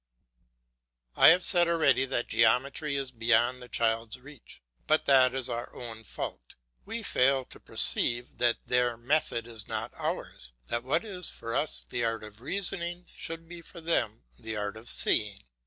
I have said already that geometry is beyond the child's reach; but that is our own fault. We fail to perceive that their method is not ours, that what is for us the art of reasoning, should be for them the art of seeing.